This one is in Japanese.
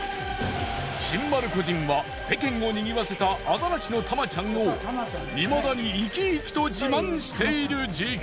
新丸子人は世間をにぎわせたアザラシのタマちゃんをいまだに生き生きと自慢している事件！